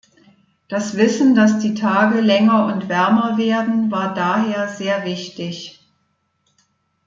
Das Wissen, dass die Tage länger und wärmer werden, war daher sehr wichtig.